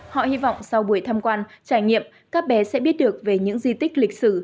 họ hy vọng sau buổi tham quan trải nghiệm các bé sẽ biết được về những di tích lịch sử